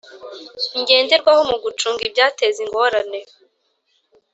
Ngenderwaho mu gucunga ibyateza ingorane